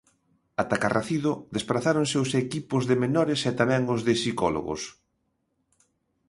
Ata Carracido desprazáronse os equipos de Menores e tamén os de psicólogos.